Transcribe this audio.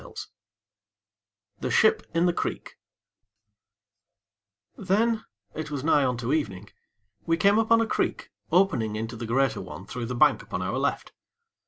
II The Ship in the Creek Then, it was nigh on to evening, we came upon a creek opening into the greater one through the bank upon our left.